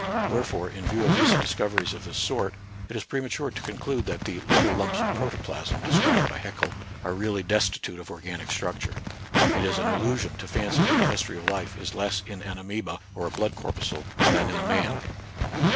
Wherefore, in view of re cent discoveries of this sort, it is premature to conclude that the " little lumps of protoplasm " described by Hseckel are really destitute of organic structure. It is an illusion to fancy that the mystery of life is less in an amoeba or a blood corpuscle than in a man.